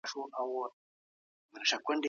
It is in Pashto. راځئ چي پیل وکړو.